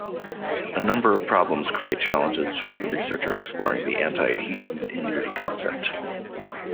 A number of problems create challenges for the researcher exploring the anti-adhesin immunity concept.